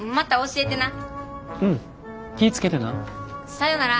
さよなら。